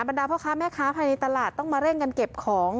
ดาพ่อค้าแม่ค้าภายในตลาดต้องมาเร่งกันเก็บของ